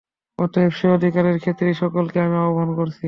অতএব সে-অধিকারের ক্ষেত্রে সকলকেই আমি আহ্বান করি।